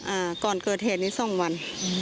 อ่าก่อนเกิดเหตุนี้สองวันอืม